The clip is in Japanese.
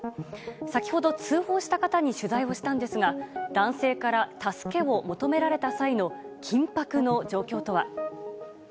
先ほど、通報した方に取材をしたんですが男性から助けを求められた際の緊迫の状況とは。